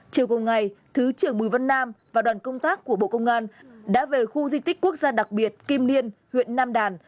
chiều cùng ngày thứ trưởng bùi vân nam và đoàn công tác của bộ công an đã về khu di tích quốc gia đặc biệt kim liên huyện nam đàn